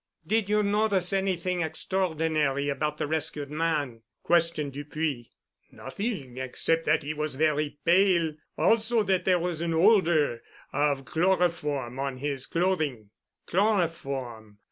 "Did you notice anything extraordinary about the rescued man?" questioned Dupuy. "Nothing, except that he was very pale. Also that there was an odor of chloroform on his clothing." "Chloroform!